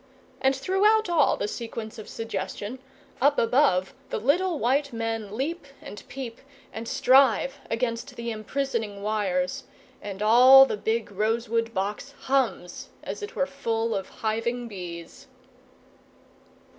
And throughout all the sequence of suggestion, up above the little white men leap and peep, and strive against the imprisoning wires; and all the big rosewood box hums as it were full of hiving bees.